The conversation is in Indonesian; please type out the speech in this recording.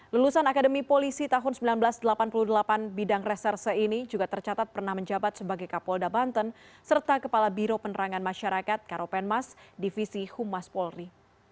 lulusan akademi polisi tahun seribu sembilan ratus delapan puluh delapan bidang reserse ini juga tercatat pernah menjabat sebagai kapolda banten serta kepala biro penerangan masyarakat karopenmas divisi humas polri